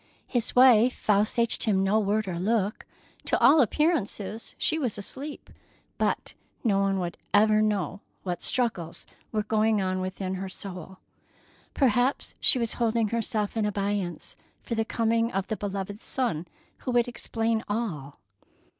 His wife vouchsafed him no word or look. To all appearances, she was asleep, but no one ever knew what struggles were going on within her soul. Perhaps she was holding herself in abeyance for the coming of the beloved son who would explain all.